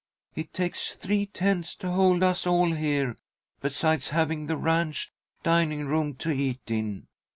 It takes three tents to hold us all here, besides having the ranch dining room to eat in.